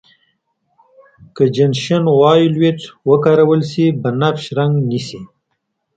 که جنشن وایولېټ وکارول شي بنفش رنګ نیسي.